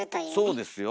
そうですよ。